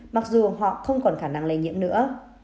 mặc dù họ không còn khả năng lây nhiễm nữa